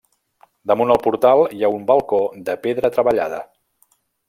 Damunt el portal hi ha un balcó de pedra treballada.